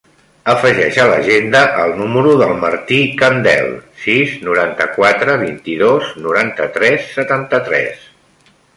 Afegeix a l'agenda el número del Martí Candel: sis, noranta-quatre, vint-i-dos, noranta-tres, setanta-tres.